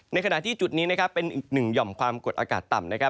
ในขณะที่จุดนี้เป็นอีกหนึ่งหย่อมความกดอากาศต่ำ